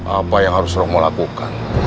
apa yang harus romo lakukan